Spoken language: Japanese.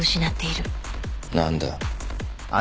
何だ？